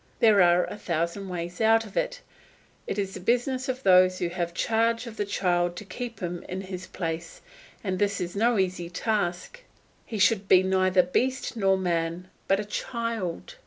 There are a thousand ways out of it, and it is the business of those who have charge of the child to keep him in his place, and this is no easy task. He should be neither beast nor man, but a child.